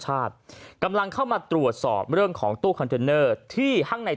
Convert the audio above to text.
กำลังเข้ามาตรวจสอบเรื่องของตู้คอนเทนเนอร์ที่ข้างใน